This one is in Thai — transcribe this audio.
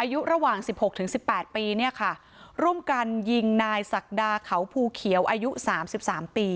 อายุระหว่างสิบหกถึงสิบแปดปีเนี้ยค่ะร่วมกันยิงนายสักดาเขาภูเขียวอายุสามสิบสามปี